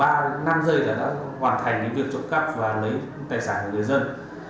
trong ba năm giây đã hoàn thành việc trộm cắp và lấy tài sản của người dân